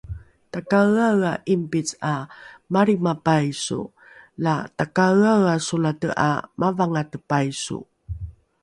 takaeaea ’ingpice ’a malrima paiso la takaeaea solate ’a mavangate paiso